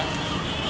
tapi nggak tahu